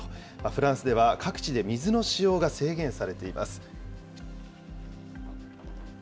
フランスでは各地で水の使用が制限されています。